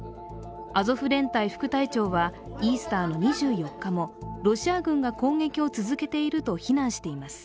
アゾフ連隊副隊長はイースターの２４日もロシア軍が攻撃を続けていると非難しています。